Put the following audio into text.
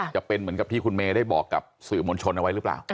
จะเป็นเหมือนกับที่คุณเมย์ได้บอกกับสื่อมวลชนเอาไว้หรือเปล่า